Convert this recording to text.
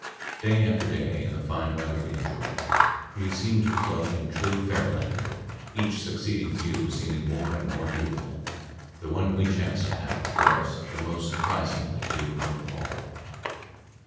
Day after day in the fine weather we enjoyed, we seemed to float in true fairyland, each succeeding view seeming more and more beautiful, the one we chanced to have before us the most surprisingly beautiful of all.